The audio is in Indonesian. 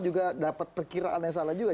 juga dapat perkiraan yang salah juga